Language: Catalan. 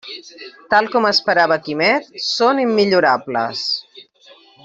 Tal com esperava Quimet, són immillorables.